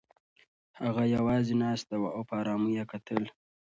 هغه یوازې ناسته وه او په ارامۍ یې کتل.